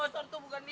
kenapa bor gini